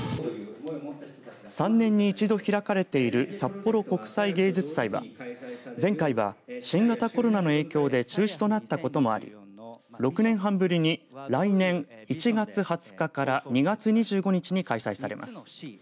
３年に一度開かれている札幌国際芸術祭は、前回は新型コロナの影響で中止となったこともあり６年半ぶりに来年１月２０日から２月２５日に開催されます。